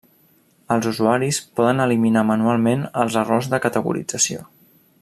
Els usuaris poden eliminar manualment els errors de categorització.